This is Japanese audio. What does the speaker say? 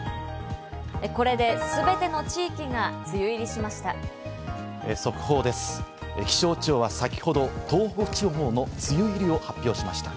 これですべての地域が梅雨入りしました。